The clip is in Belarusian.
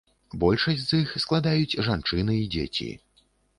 Большасць з іх складаюць жанчыны і дзеці.